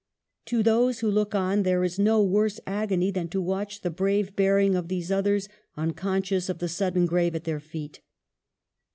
To those who look on, there is no worse agony than to watch the brave bearing of these others unconscious of the sudden grave at their feet.